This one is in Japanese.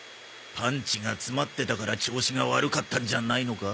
パンチが詰まってたから調子が悪かったんじゃないのか？